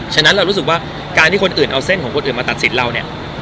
ฉะนั้นเรารู้สึกว่าการที่คนอื่นเอาเส้นของคนอื่นมาตัดสินเราเนี่ย